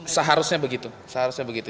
seharusnya begitu seharusnya begitu